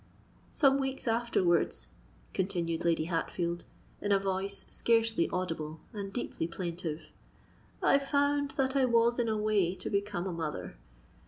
"Some weeks afterwards," continued Lady Hatfield, in a voice scarcely audible and deeply plaintive, "I found that I was in a way to become a mother.